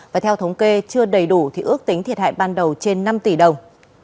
và theo thống kê chưa đầy đủ thì ước tính thiệt hại ban đầu trên năm tỷ đồng